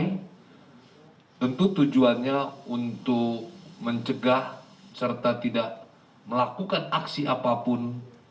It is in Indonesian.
dan tentu tujuannya untuk mencegah serta tidak melakukan aksi apapun